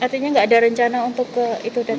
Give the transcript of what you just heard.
artinya nggak ada rencana untuk ke itu